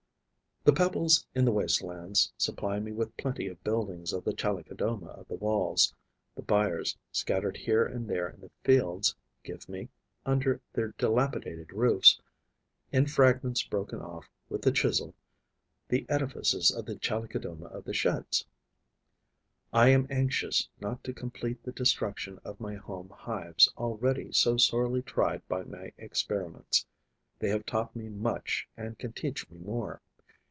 The pebbles in the waste lands supply me with plenty of buildings of the Chalicodoma of the Walls; the byres scattered here and there in the fields give me, under their dilapidated roofs, in fragments broken off with the chisel, the edifices of the Chalicodoma of the Sheds. I am anxious not to complete the destruction of my home hives, already so sorely tried by my experiments; they have taught me much and can teach me more.